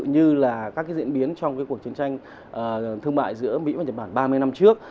như là các diễn biến trong cuộc chiến tranh thương mại giữa mỹ và nhật bản ba mươi năm trước